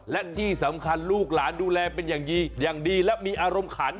และที่สำคัญลูกหลานดูแลเป็นอย่างดีอย่างดีและมีอารมณ์ขัน